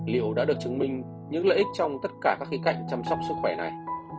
liệu đã được chứng minh những lợi ích trong tất cả các khía cạnh chăm sóc sức khỏe này